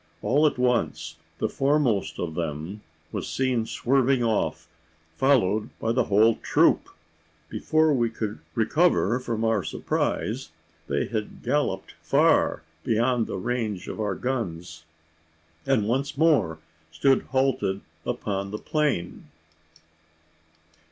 All at once the foremost of them was seen swerving off, followed by the whole troop! Before we could recover from our surprise, they had galloped far beyond the range of our guns, and once more stood halted upon the plain!